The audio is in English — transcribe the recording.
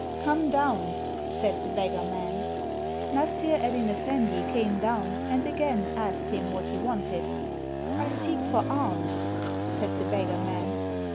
"Come down," said the beggar man. Nassr Eddyn Effendi came down, and again asked him what he wanted. " I seek for alms," said the beggar man.